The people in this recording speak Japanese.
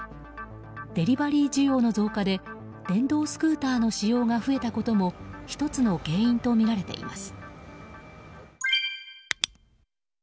デリバリー需要の増加で電動スクーターの使用が増えたことも１つの原因とみられています。